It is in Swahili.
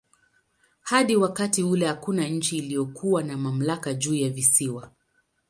Hadi wakati ule hakuna nchi iliyokuwa na mamlaka juu ya visiwa.